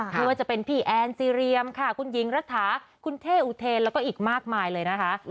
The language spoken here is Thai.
ไม่ว่าจะเป็นพี่แอนซีเรียมค่ะคุณหญิงรัฐาคุณเท่อุเทนแล้วก็อีกมากมายเลยนะคะ